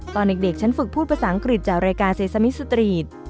ตอนเด็กฉันฝึกพูดภาษาอังกฤษจากรายการเซซามิสตรีท